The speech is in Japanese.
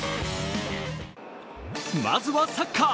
まずはサッカー。